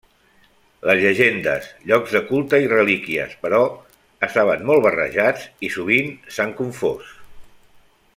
Les llegendes, llocs de culte i relíquies, però, estaven molt barrejats i sovint s'han confós.